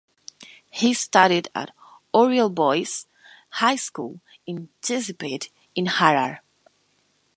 He studied at Oriel Boys' High School in Chisipite in Harare.